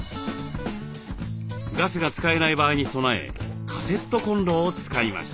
ガスが使えない場合に備えカセットコンロを使いました。